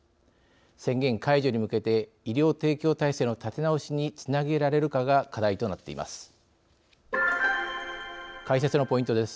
宣言解除に向けて医療提供体制の立て直しにつなげられるかが課題となっています。